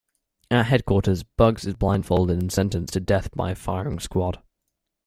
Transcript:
At headquarters, Bugs is blindfolded and sentenced to death by firing squad.